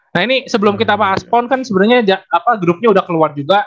nah ini sebelum kita paspon kan sebenarnya grupnya udah keluar juga